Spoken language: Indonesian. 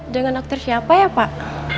dengan aktor siapa ya pak